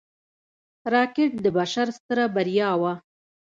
راکټ د بشر ستره بریا وه